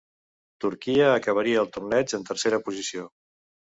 Turquia acabaria el torneig en tercera posició.